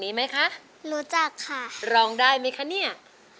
นะคะอย่างเย็นซ์เลย